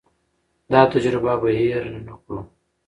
دا تجربه به هېر نه کړم.